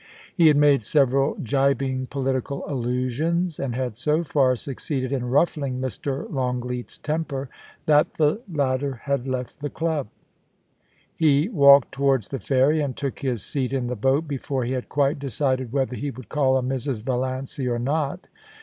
He had made several gibing political allusions, and had so far succeeded in niflling Mr. Longleat's temper that the latter HERCULES AND OMPHALE, 97 had left the club. He walked towards the ferry, and took his seat in the boat before he had quite decided whether he would call on Mrs. Valiancy or not.